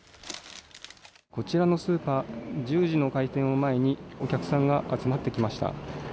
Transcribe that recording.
こちらのスーパー１０時の開店を前にお客さんが集まってきました。